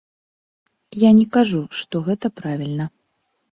Я не кажу, што гэта правільна.